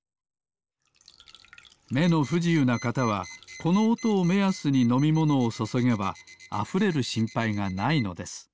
めのふじゆうなかたはこのおとをめやすにのみものをそそげばあふれるしんぱいがないのです。